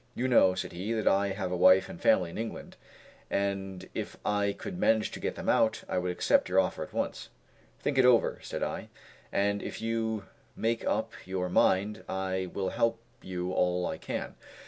"You know," said he, "that I have a wife and family in England; and if I could manage to get them out, I would accept your offer at once." "Think it over," said I, "and if you make up your mind, I will help you all I can."